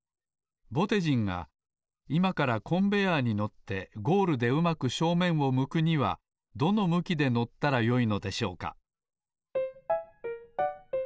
ぼてじんがいまからコンベヤーに乗ってゴールでうまく正面を向くにはどの向きで乗ったらよいのでしょうか？